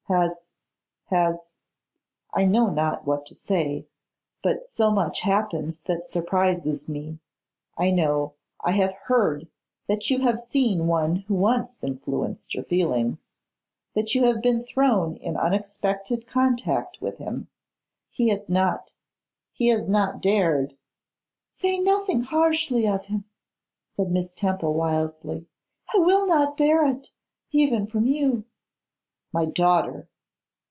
Has has I know not what to say, but so much happens that surprises me; I know, I have heard, that you have seen one who once influenced your feelings, that you have been thrown in unexpected contact with him; he has not he has not dared ' 'Say nothing harshly of him,' said Miss Temple wildly; 'I will not bear it, even from you.' 'My daughter!